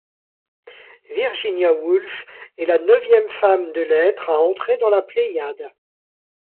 Virginia Woolf est la neuvième femme de lettres à entrer dans la Pléiade.